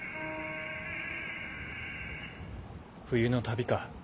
『冬の旅』か。